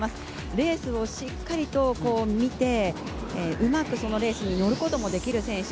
レースをしっかりと見て、うまくそのレースに乗ることもできる選手。